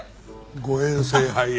誤嚥性肺炎。